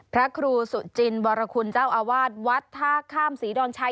พระครูสุจินวรคุณเจ้าอาวาสวัดท่าข้ามศรีดอนชัย